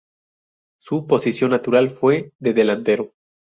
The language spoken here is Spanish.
Su posición natural fue de delantero.